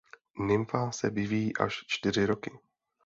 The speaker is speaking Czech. Nymfa se vyvíjí až čtyři roky.